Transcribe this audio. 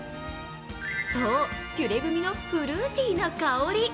そう、ピュレグミのフルーティーな香り。